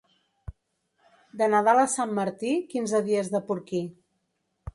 De Nadal a Sant Martí, quinze dies de porquí.